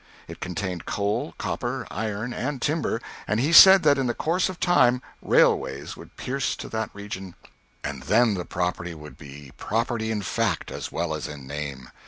It contained coal, copper, iron and timber, and he said that in the course of time railways would pierce to that region, and then the property would be property in fact as well as in name.